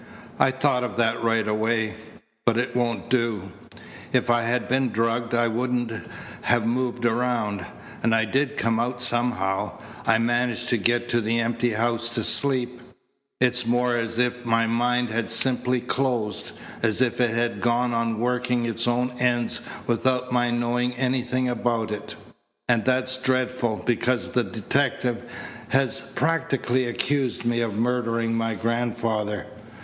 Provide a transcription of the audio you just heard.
"I thought of that right away, but it won't do. If I had been drugged I wouldn't have moved around, and I did come out somehow, I managed to get to the empty house to sleep. It's more as if my mind had simply closed, as if it had gone on working its own ends without my knowing anything about it. And that's dreadful, because the detective has practically accused me of murdering my grandfather.